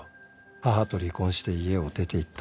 母と離婚して家を出ていった